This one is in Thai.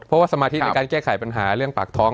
เพราะว่าสมาธิในการแก้ไขปัญหาเรื่องปากท้อง